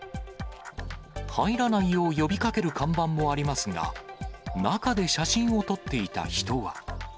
入らないよう呼びかける看板もありますが、中で写真を撮っていた人は。